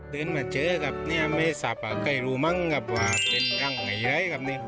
เดินมาเจอกับเนี่ยไม่ทรัพย์อ่ะใครรู้มั้งกับว่าเป็นรังไหร่ครับเนี่ย